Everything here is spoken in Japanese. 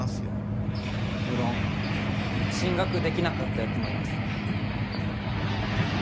無論進学できなかったやつもいます。